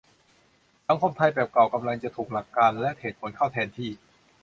สังคมไทยแบบเก่ากำลังจะถูกหลักการณ์และเหตุผลเข้าแทนที่